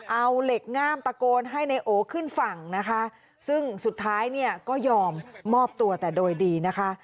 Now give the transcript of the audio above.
เอาเหล็กง่ามตะโกนให้นายโอขึ้นฝั่งนะคะซึ่งสุดท้ายเนี่ยก็ยอมมอบตัวแต่โดยดีนะคะ